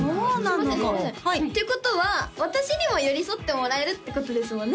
すいませんっていうことは私にも寄り添ってもらえるってことですもんね？